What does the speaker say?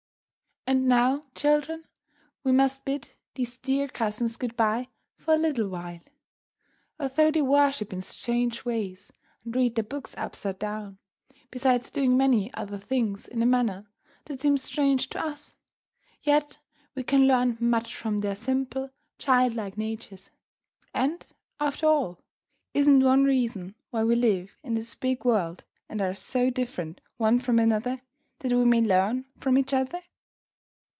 And now, children, we must bid these dear cousins good bye for a little while. Although they worship in strange ways, and read their books upside down, besides doing many other things in a manner that seems strange to us, yet we can learn much from their simple, childlike natures. And, after all, isn't one reason why we live in this big world and are so different one from another, that we may learn from each other?